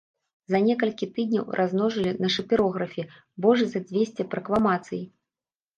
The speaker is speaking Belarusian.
За некалькі тыдняў размножылі на шапірографе больш за дзвесце пракламацый.